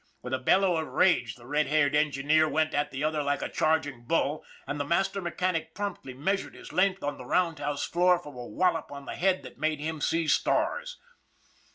With a bellow of rage the red haired engineer went at the other like a charging bull, and the master mechanic promptly measured his length on the roundhouse floor from a wallop on the head that made him see stars.